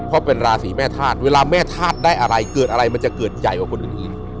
เพราะเป็นราศีแม่ธาตุเวลาแม่ธาตุได้อะไรเกิดอะไรมันจะเกิดใหญ่กว่าคนอื่น